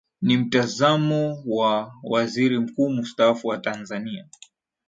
ni mtazamo wa waziri mkuu mustaafu wa tanzania